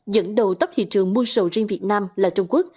dẫn đầu tốc thị trường mua sầu riêng việt nam là trung quốc